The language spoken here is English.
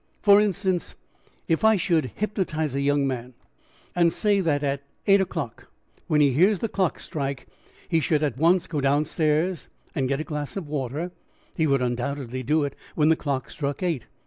"For instance, if I should hypnotize a young man, and say that at eight o'clock, when he hears the clock strike, he should at once go downstairs and get a glass of water, he would undoubtedly do it when the clock struck eight.